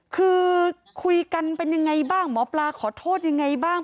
คือคุยกันเป็นยังไงบ้างหมอปลาขอโทษยังไงบ้าง